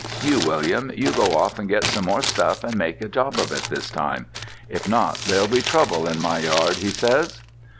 You, William, you go off and get some more stuff and make a job of it this time; if not, there'll be trouble in my yard,' he says.